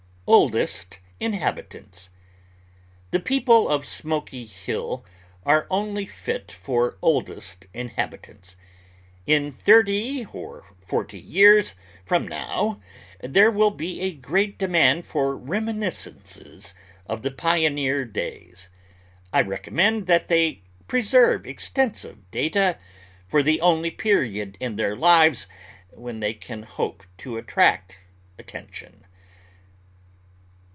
OLDEST INHABITANTS The people of Smoky Hill are only fit for oldest inhabitants. In thirty or forty years from now there will be a great demand for reminiscences of the pioneer days. I recommend that they preserve extensive data for the only period in their lives when they can hope to attract attention.